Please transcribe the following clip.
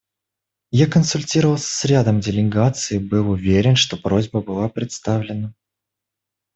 Я консультировался с рядом делегаций и был уверен, что просьба была представлена.